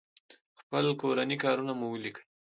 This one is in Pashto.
خپل کورني کارونه مو وليکئ!